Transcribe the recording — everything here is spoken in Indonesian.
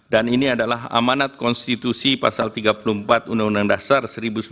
ini adalah amanat konstitusi pasal tiga puluh empat undang undang dasar seribu sembilan ratus empat puluh